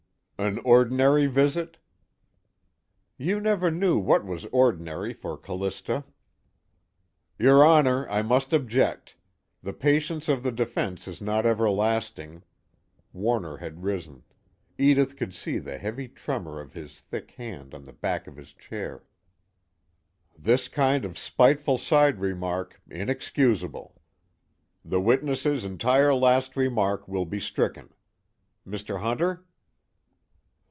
"An ordinary visit?" "You never knew what was ordinary for Callista." "Your Honor, I must object the patience of the defense is not everlasting." Warner had risen; Edith could see the heavy tremor of his thick hand on the back of his chair. "This kind of spiteful side remark inexcusable." "The witness's entire last remark will be stricken. Mr. Hunter?"